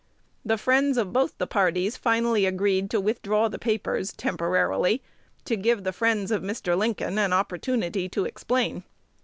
The friends of both the parties finally agreed to withdraw the papers (temporarily) to give the friends of Mr. Lincoln an opportunity to explain.